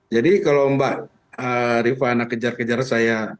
jadi kalau mbak rifana kejar kejar saya